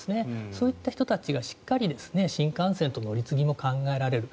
そういった人たちがしっかり新幹線と乗り継ぎも考えられる。